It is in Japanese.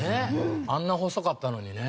あんな細かったのにね。